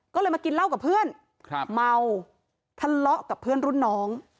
ก็เลยมากินเหล้ากับเพื่อนเมาทะเลาะกับเพื่อนรุ่นน้อง